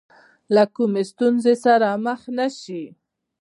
له کومې ستونزې سره مخ نه شي.